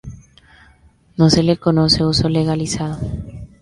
No se le conoce uso legalizado.